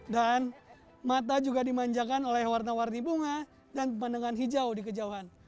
mata juga dimanjakan oleh warna warni bunga dan pandangan hijau di kejauhan